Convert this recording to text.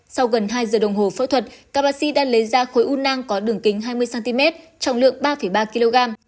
sau gần hai giờ đồng hồ phẫu thuật các bác sĩ đã lấy ra khối u nang có đường kính hai mươi cm trọng lượng ba ba kg